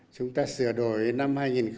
chúng ta sửa đổi năm hai nghìn một mươi